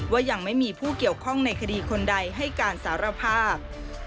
ว่ายังไม่มีผู้เกี่ยวข้องในคดีคนใดให้การสารภาพ